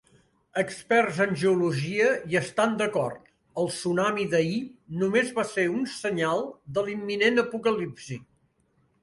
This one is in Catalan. Experts en geologia hi estan d'acord: el tsunami d'ahir només va ser un senyal de l'imminent apocalipsi.